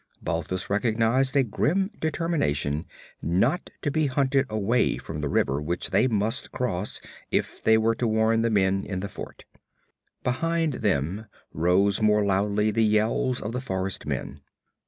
Balthus recognized a grim determination not to be hunted away from the river which they must cross if they were to warn the men in the fort. Behind them rose more loudly the yells of the forest men.